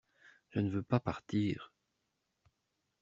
Je ne veux pas partir.